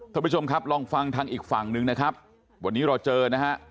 ท่านผู้ชมครับลองฟังทางอีกฝั่งหนึ่งนะครับวันนี้เราเจอนะฮะ